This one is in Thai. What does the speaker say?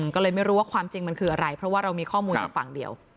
ก็เลยไม่รู้ว่าความจริงมันคืออะไรเพราะว่าเรามีข้อมูลจากฝั่งเดียว